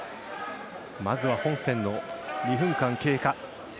まずは本戦の２分間経過。